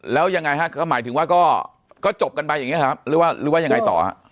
แล้วยังไงฮะก็หมายถึงว่าก็จบกันไปอย่างนี้ครับหรือว่ายังไงต่อฮะ